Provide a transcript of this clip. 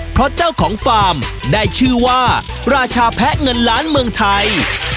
เพราะเจ้าของฟาร์มได้ชื่อว่าราชาแพะเงินล้านเมืองไทย